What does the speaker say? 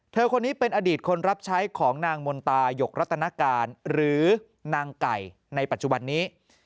คนนี้เป็นอดีตคนรับใช้ของนางมนตายกรัตนการหรือนางไก่ในปัจจุบันนี้